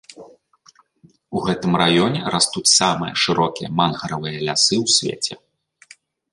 У гэтым раёне растуць самыя шырокія мангравыя лясы ў свеце.